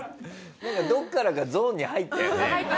なんかどっからかゾーンに入ったよね。